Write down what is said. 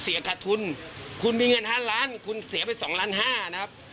เสียขาดทุนคุณมีเงินห้านล้านคุณเสียไปสองล้านห้านะครับ